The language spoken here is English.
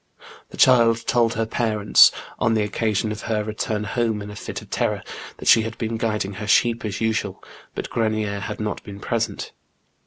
The child told her parents, on the occasion of her return home in a fit of terror, that she had heen guiding her sheep as usual, hut Orenier had not heen present.